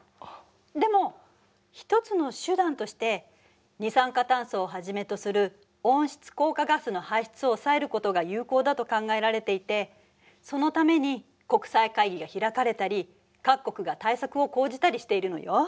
でも一つの手段として二酸化炭素をはじめとする温室効果ガスの排出を抑えることが有効だと考えられていてそのために国際会議が開かれたり各国が対策を講じたりしているのよ。